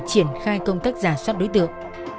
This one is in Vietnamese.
để triển khai công tác giả soát đối tượng